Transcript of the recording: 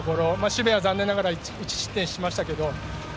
守備は残念ながら１失点しましたけど。